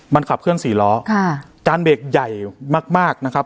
มันขับเคลื่อสี่ล้อค่ะการเบรกใหญ่มากมากนะครับ